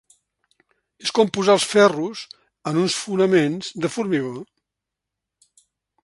És com posar els ferros en uns fonaments de formigó.